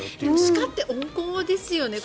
鹿って温厚ですよね。